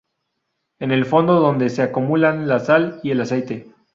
En el fondo donde se acumulan la sal y el aceite.